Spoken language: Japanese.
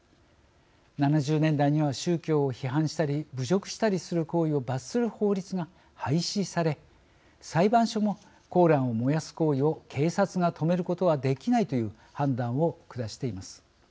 ７０年代には宗教を批判したり侮辱したりする行為を罰する法律が廃止され裁判所も「コーラン」を燃やす行為を警察が止めることはできないという判断を下しています。